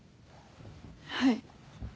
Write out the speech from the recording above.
はい。